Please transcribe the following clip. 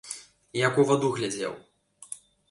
Як у ваду глядзеў!